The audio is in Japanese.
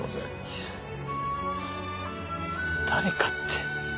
いや誰かって。